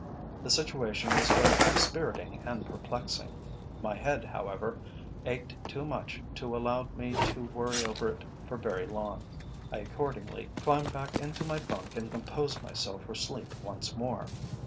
The situation was both dispiriting and perplexing; my head, however, ached too much to allow me to worry over it for very long. I accordingly climbed back into my bunk and composed myself for sleep once more.